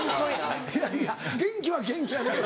いやいや元気は元気やけど。